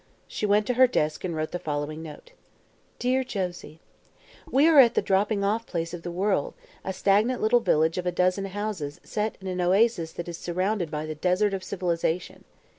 She went to her desk and wrote the following note: Dear Josie: We are at the dropping off place of the world, a stagnant little village of a dozen houses set in an oasis that is surrounded by the desert of civilization.